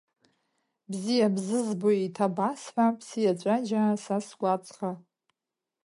Бзиа бзызбо еиҭабасҳәап, сиаҵәаџьаа са сгәаҵӷа…